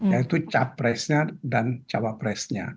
yaitu capresnya dan cawapresnya